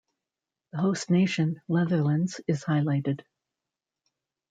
The host nation, Netherlands, is highlighted.